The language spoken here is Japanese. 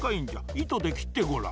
いとできってごらん。